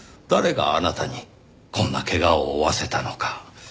誰があなたにこんな怪我を負わせたのか。